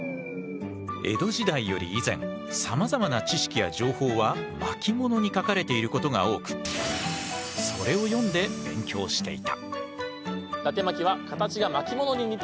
江戸時代より以前さまざまな知識や情報は巻物に書かれていることが多くそれを読んで勉強していた。